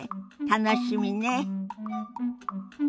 楽しみね。